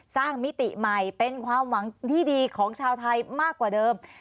มิติใหม่เป็นความหวังที่ดีของชาวไทยมากกว่าเดิม